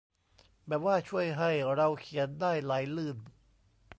แบบว่าช่วยให้เราเขียนได้ไหลลื่น